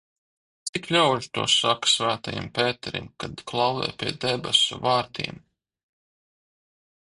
Cik ļaužu to saka Svētajam Pēterim, kad klauvē pie debesu vārtiem?